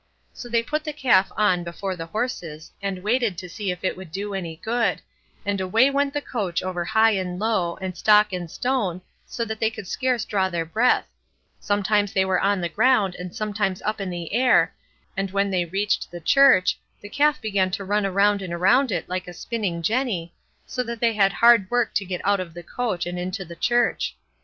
So they put the calf on before the horses, and waited to see if it would do any good, and away went the coach over high and low, and stock and stone, so that they could scarce draw their breath; sometimes they were on the ground, and sometimes up in the air, and when they reached the church, the calf began to run round and round it like a spinning jenny, so that they had hard work to get out of the coach, and into the church.